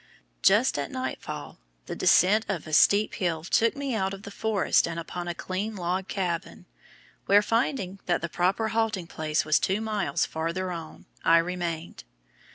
Just at nightfall the descent of a steep hill took me out of the forest and upon a clean log cabin, where, finding that the proper halting place was two miles farther on, I remained.